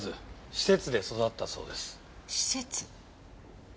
施設？